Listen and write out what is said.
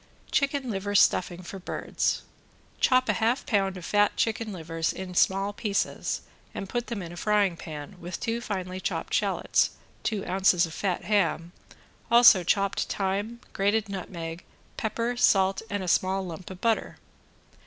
~CHICKEN LIVER STUFFING FOR BIRDS~ Chop a half pound of fat chicken livers in small pieces and put them in a frying pan, with two finely chopped shallots, two ounces of fat ham, also chopped thyme, grated nutmeg, pepper, salt and a small lump of butter.